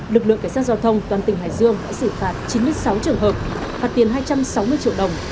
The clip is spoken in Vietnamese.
lực lượng cảnh sát giao thông toàn tỉnh hải dương đã xử phạt chín mươi sáu trường hợp phạt tiền hai trăm sáu mươi triệu đồng